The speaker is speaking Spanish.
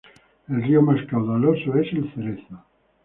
El río más caudaloso es el Cerezo.